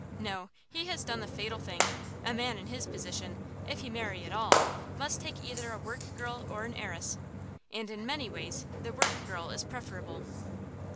No, he has done the fatal thing. A man in his position, if he marry at all, must take either a work girl or an heiress, and in many ways the work girl is preferable.